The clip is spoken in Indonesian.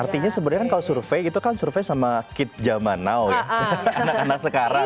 artinya sebenarnya kalau survei itu kan survei sama kid zamanow ya anak anak sekarang